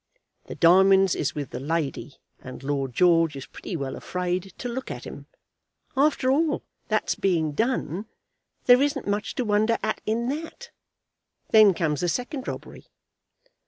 The diamonds is with the lady, and Lord George is pretty well afraid to look at 'em. After all that's being done, there isn't much to wonder at in that. Then comes the second robbery."